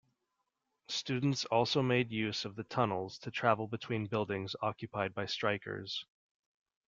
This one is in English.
Students also made use of the tunnels to travel between buildings occupied by strikers.